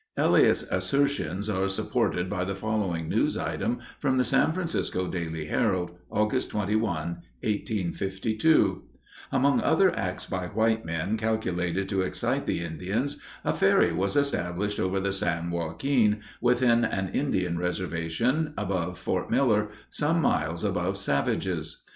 Elliott's assertions are supported by the following news item from the San Francisco Daily Herald, August 21, 1852: Among other acts by white men calculated to excite the Indians, a ferry was established over the San Joaquin, within an Indian reservation, above Fort Miller, some miles above Savage's.